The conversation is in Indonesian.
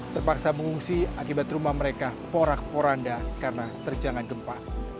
terpaksa mengungsi akibat rumah mereka porak poranda karena terjangan gempa